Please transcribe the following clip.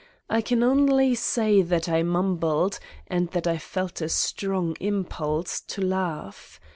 I can only say that I 84 Satan's Diary mumbled and that I felt a strong impulse to laugh.